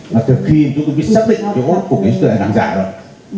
mà từ khi chúng tôi biết xác định chỗ của cái sử dụng này là đáng giả rồi